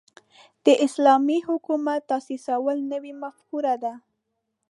د اسلامي حکومت تاسیسول نوې مفکوره ده.